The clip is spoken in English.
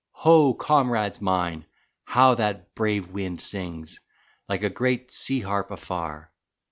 Ho, comrades mine, how that brave wind sings Like a great sea harp afar!